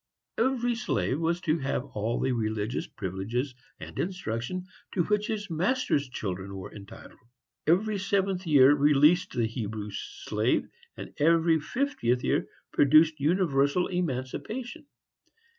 Every slave was to have all the religious privileges and instruction to which his master's children were entitled. Every seventh year released the Hebrew slave, and every fiftieth year produced universal emancipation.